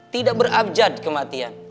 tidak berabjad kematian